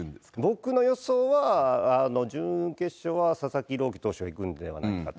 僕の予想は、準決勝は佐々木朗希投手が行くんではないかと。